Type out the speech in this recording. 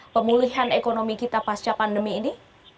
pemulihan ekonomi kita pasca pandemi ini